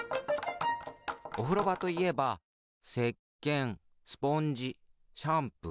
おふろばといえばせっけんスポンジシャンプー。